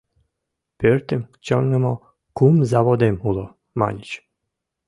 — Пӧртым чоҥымо кум заводем уло, маньыч.